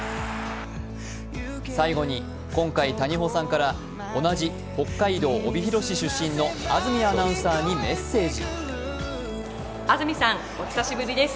最後に今回、谷保さんから同じ北海道帯広市出身の安住アナウンサーにメッセージ。